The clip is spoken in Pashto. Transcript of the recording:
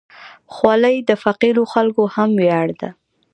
خولۍ د فقیرو خلکو هم ویاړ ده.